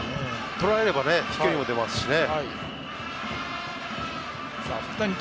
とらえれば飛距離も出ますしね。